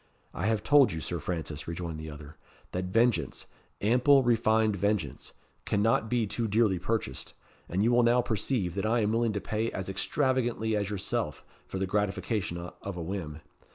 "I have told you, Sir Francis," rejoined the other, "that vengeance ample, refined vengeance cannot be too dearly purchased; and you will now perceive that I am willing to pay as extravagantly as yourself for the gratification of a whim.